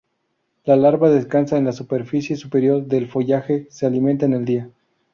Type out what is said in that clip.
La larva descansa en la superficie superior del follaje, se alimenta en el día.